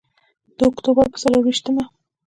د اکتوبر په څلور ویشتمه.